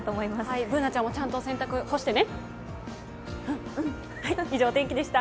Ｂｏｏｎａちゃんもちゃんと洗濯、干してね。